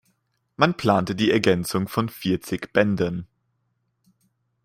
Man plante die Ergänzung von vierzig Bänden.